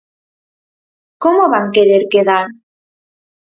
"Como van querer quedar?".